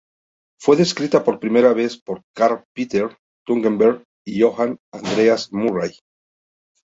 Fue descripta por primera vez por Carl Peter Thunberg y Johan Andreas Murray.